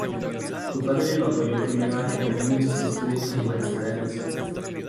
Su padre lo apoyó primero a que termine sus estudios universitarios.